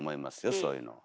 そういうのは。